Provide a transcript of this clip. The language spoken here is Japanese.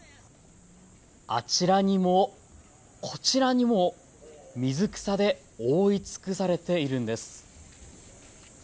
あちらにも、こちらにも水草で覆い尽くされているんです。